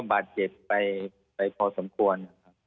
บาดเจ็บไปพอสมควร